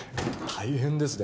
大変ですね